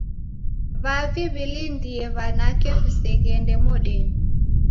W'avi w'iw'ilindie w'anake w'iseghende modenyi